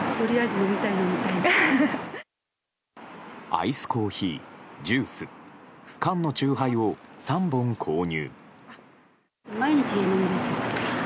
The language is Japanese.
アイスコーヒー、ジュース缶の酎ハイを３本購入。